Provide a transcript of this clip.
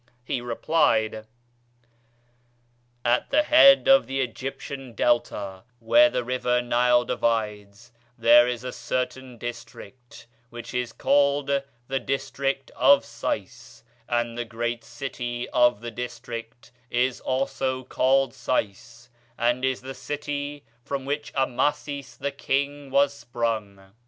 He replied: "At the head of the Egyptian Delta, where the river Nile divides, there is a certain district which is called the district of Sais, and the great city of the district is also called Sais, and is the city from which Amasis the king was sprung.